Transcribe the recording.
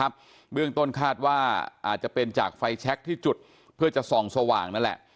เบื้องต้นคาดว่าอาจจะเป็นจากไฟแชคที่จุดเพื่อจะส่องสว่างนั่นแหละ